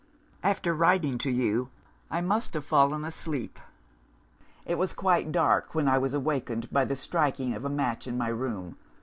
"After writing to you, I must have fallen asleep. It was quite dark, when I was awakened by the striking of a match in my room.